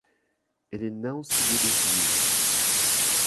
Ele não se dirigiu.